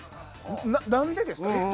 何ですか？